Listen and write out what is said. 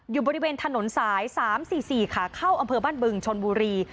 อยู่บริเวณถนนสาย๓๔๔ขาเข้าอำเภอบ้านบึงชนบุรี